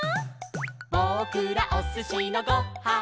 「ぼくらおすしのご・は・ん」